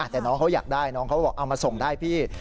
แต่น้องเขาอยากได้น้องเขาบอกเอามาส่งได้พี่